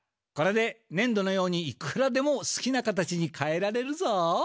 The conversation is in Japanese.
これでねん土のようにいくらでもすきな形にかえられるぞ。